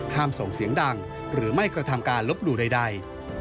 ส่งเสียงดังหรือไม่กระทำการลบหลู่ใด